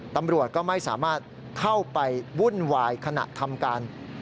ตำรวจก็ไม่สามารถเข้าไปวุ่นวายขณะทำการ